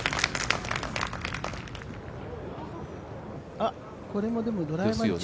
あっ、これもドライバー？